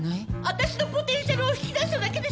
私のポテンシャルを引き出しただけでしょ！